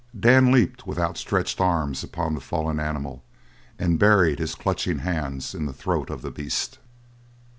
Dan leaped with outstretched arms upon the fallen animal, and buried his clutching hands in the throat of the beast.